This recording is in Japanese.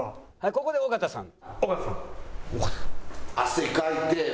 ここで尾形さん」。